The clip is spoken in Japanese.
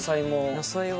野菜は。